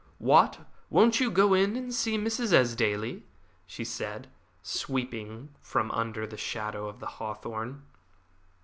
"What! won't you go in and see Mrs. Esdaile?" she asked, sweeping out from under the shadow of the hawthorn.